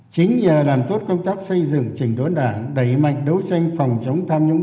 chính nhờ làm tốt công tác xây dựng trình đốn đảng đẩy mạnh đấu tranh phòng chống tham nhũng